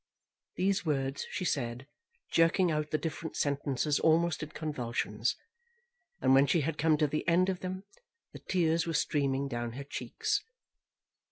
These words she said, jerking out the different sentences almost in convulsions; and when she had come to the end of them, the tears were streaming down her cheeks.